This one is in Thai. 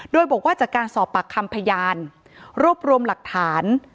โดยบอกว่าจากการสอบปากคำพยานรวบรวมหลักฐาน